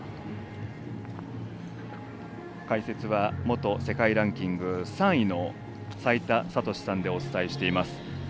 解説は元世界ランキング３位の齋田悟司さんでお伝えしています。